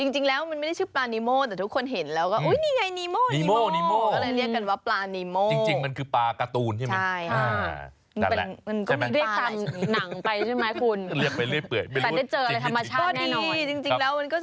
จริงแล้วมันไม่ได้ชื่อปลานิโมแต่ทุกคนเห็นแล้วก็อุ๊ยนี่ไง